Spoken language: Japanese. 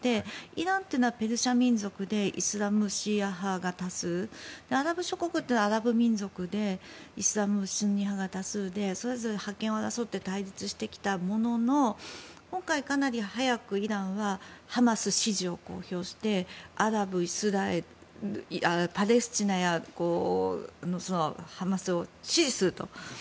イランというのはペルシャ民族でイスラム、シーア派が多数アラブ諸国はアラブ民族でイスラムシーア派が多数でそれぞれ覇権を争って対立してきたものの今回、かなり早くイランはハマス支持を公表してアラブやパレスチナやハマスを支持すると。